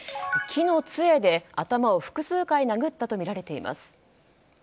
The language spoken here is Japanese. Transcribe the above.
木の杖で頭を複数回殴ったとみられています。